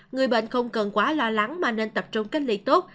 người bệnh không cần quá lo lắng mà nên tập trung cách ly tốt